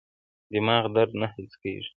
دماغ درد نه حس کوي.